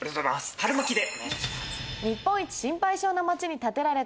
春巻きで。